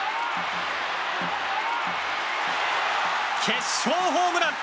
決勝ホームラン！